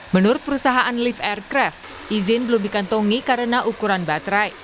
menurut perusahaan lift aircraft izin belum dikantongi karena ukuran baterai